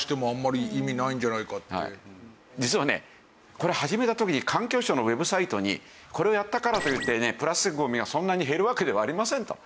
これ始めた時に環境省のウェブサイトにこれをやったからといってねプラスチックゴミがそんなに減るわけではありませんと。